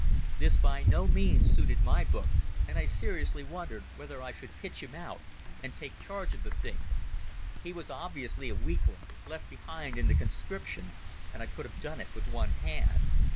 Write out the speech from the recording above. This by no means suited my book, and I seriously wondered whether I should pitch him out and take charge of the thing. He was obviously a weakling, left behind in the conscription, and I could have done it with one hand.